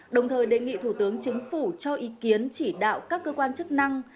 đồng thời đề nghị thủ tướng chính phủ cho ý kiến chỉ đạo các cơ quan chức năng